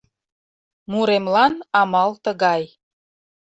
Муремлан амал тыгай: